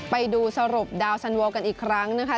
ไปดูสรุปดาวสันเวิลกันอีกครั้งนะคะ